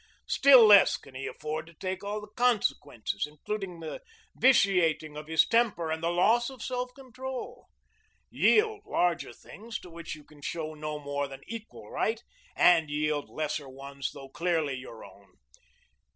Still less can he afford to take all the consequences, including the vitiating of his temper and the loss of self control. Yield larger things to which you can show no more than equal right; and yield lesser ones though clearly your own.